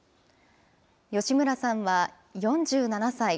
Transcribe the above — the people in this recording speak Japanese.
吉村さんは４７歳。